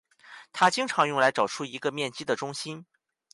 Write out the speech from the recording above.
它经常用来找出一个面积的中心。